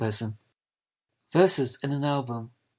VERSES IN AN ALBUM.